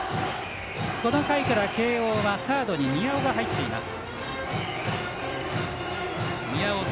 この回から慶応はサードに宮尾青波が入っています。